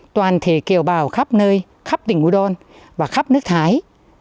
toàn thể kiều bào khắp nơi khắp tỉnh u đôn và khắp nước thái